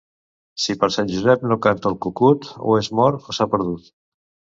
Si per Sant Josep no canta el cucut, o és mort o s'ha perdut.